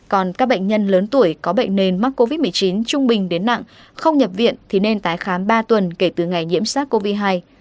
còn các bệnh nhân lớn tuổi có bệnh nền mắc covid một mươi chín trung bình đến nặng không nhập viện thì nên tái khám ba tuần kể từ ngày nhiễm sars cov hai